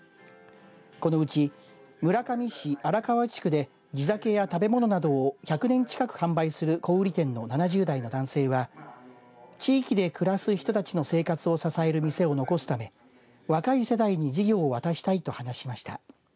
このうち村上市荒川地区で地酒や食べ物などを１００年近く販売する小売店の７０代の男性は地域で暮らす人たちの生活を支える店を残すため若い世代に事業を渡したいと話しました。